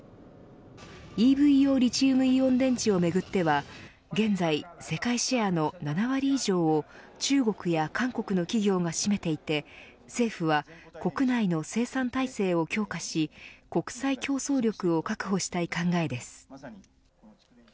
ＥＶ用リチウムイオン電池をめぐっては現在世界シェアの７割以上を中国や韓国の企業が占めていて政府は国内の生産体制を強化し国際競争力を確保したい考えです。